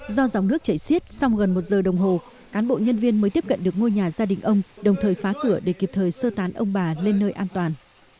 do dòng nước chảy xiết sau gần một giờ đồng hồ cán bộ nhân viên mới tiếp cận được ngôi nhà gia đình ông đồng thời phá cửa để kịp thời sơ tán ông bà lên nơi an toàn